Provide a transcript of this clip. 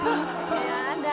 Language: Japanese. やだ。